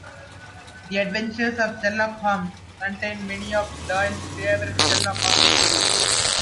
"The Adventures of Sherlock Holmes" contains many of Doyle's favourite Sherlock Holmes stories.